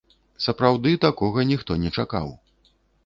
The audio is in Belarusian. Сапраўды, такога ніхто не чакаў.